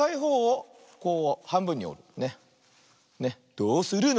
「どうするの？